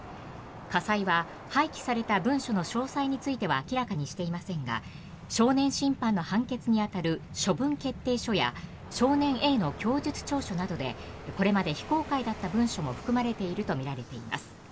家裁は廃棄された文書の詳細については明らかにしていませんが少年審判の判決に当たる処分決定書や少年Ａの供述調書などでこれまで非公開だった文書も含まれているとみられています。